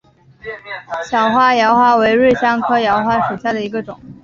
小花荛花为瑞香科荛花属下的一个种。